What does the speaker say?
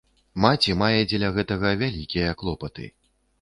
Маці мае дзеля гэтага вялікія клопаты.